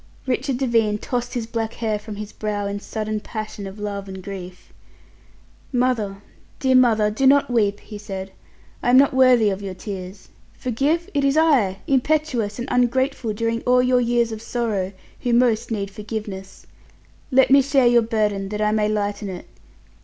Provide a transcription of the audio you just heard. Richard Devine tossed his black hair from his brow in sudden passion of love and grief. "Mother, dear mother, do not weep," he said. "I am not worthy of your tears. Forgive! It is I impetuous and ungrateful during all your years of sorrow who most need forgiveness. Let me share your burden that I may lighten it.